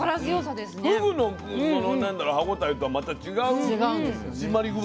ふぐの歯ごたえとはまた違う締まり具合。